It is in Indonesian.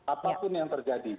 apapun yang terjadi